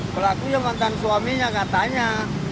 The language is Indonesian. pelakunya mantan suaminya katanya